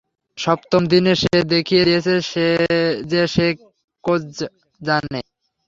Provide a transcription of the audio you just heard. সপ্তম দিনে সে দেখিয়ে দিয়েছে যে সে কোজ জানে।